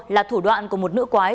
là thủ đoạn của một nữ quái